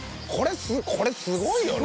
これすごいよね。